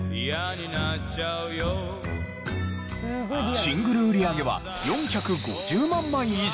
シングル売り上げは４５０万枚以上。